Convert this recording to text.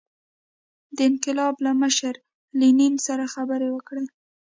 د انقلاب له مشر لینین سره خبرې وکړي.